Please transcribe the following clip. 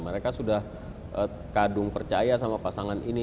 mereka sudah kadung percaya sama pasangan ini